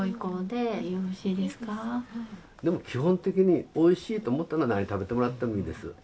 でも基本的においしいと思ったら何食べてもらってもいいです。